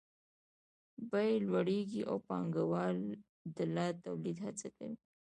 بیې لوړېږي او پانګوال د لا تولید هڅه کوي